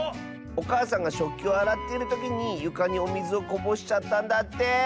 おかあさんがしょっきをあらってるときにゆかにおみずをこぼしちゃったんだって。